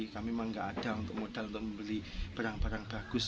kami memang nggak ada untuk modal untuk membeli barang barang bagus